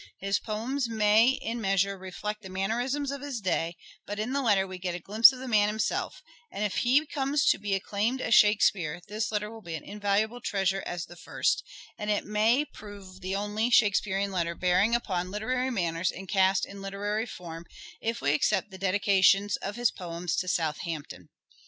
His poems may in a measure reflect the mannerisms of his day, but in the letter we get a glimpse of the man himself ; and if he comes to be acclaimed as Shakespeare this letter will be an invaluable treasure as the first, and it may prove the only, Shakespearean letter bearing upon literary matters and cast in literary form, if we except the dedications of his poems to Southampton.